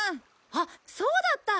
あっそうだった！